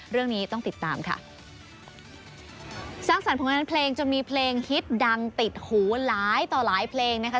เรื่องนี้ต้องติดตามค่ะสร้างสรรค์ผลงานเพลงจนมีเพลงฮิตดังติดหูหลายต่อหลายเพลงนะคะ